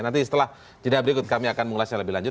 nanti setelah jadabri ikut kami akan mengulasnya lebih lanjut